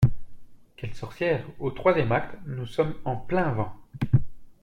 Quelle sorcière ? «Au troisième acte, nous sommes en plein vent.